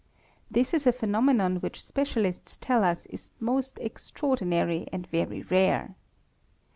This is a phenomenon which specialists tell us 1s most extraordinary and very rare.